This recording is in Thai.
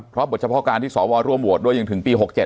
เพราะบทเฉพาะการที่สวร่วมโหวตด้วยยังถึงปี๖๗